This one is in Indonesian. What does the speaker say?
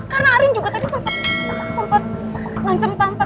karena karena arin juga tadi sempet sempet ngancam tante